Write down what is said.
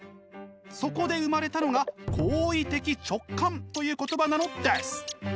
そこで生まれたのが「行為的直観」という言葉なのです。